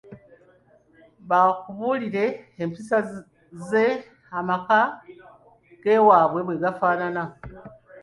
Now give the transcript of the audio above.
Bakubuulire empisa ze amaka gewaabwe bwe gafaanana.